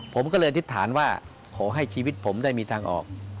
ผมก็เลยอธิษฐานว่าขอให้ชีวิตผมได้มีทางออก